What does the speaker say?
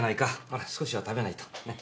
ほら少しは食べないと。ね？